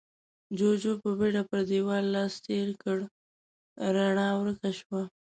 جُوجُو په بيړه پر دېوال لاس تېر کړ، رڼا ورکه شوه.